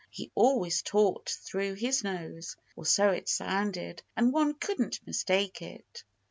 He always talked through his nose or so it sounded. And one couldn't mistake it.